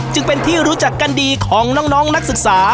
จึงเป็นที่รู้จักกันดีของน้องนักศึกษา